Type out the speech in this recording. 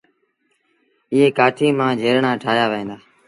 ايئي ڪآٺيٚ مآ جھيرڻآن ٺآهيآ وهين دآ۔